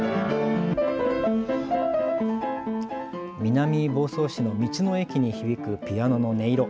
南房総市の道の駅に響くピアノの音色。